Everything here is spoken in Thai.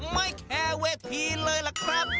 ไม่แคร์เวทีเลยล่ะครับ